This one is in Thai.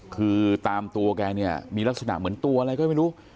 คือตามตัวแกเนี่ยมีลักษณะเหมือนตัวอะไรก็ไม่รู้